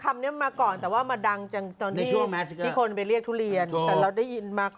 มีเสร็จสารว่ะฮะ